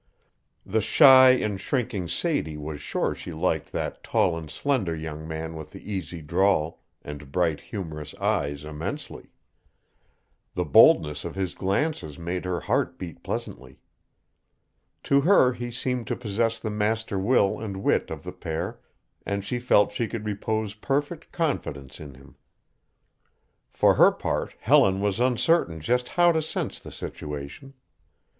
The shy and shrinking Sadie was sure she liked that tall and slender young man with the easy drawl and bright, humorous eyes immensely. The boldness of his glances made her heart beat pleasantly. To her he seemed to possess the master will and wit of the pair, and she felt she could repose perfect confidence in him. For her part Helen was uncertain just how to sense the situation.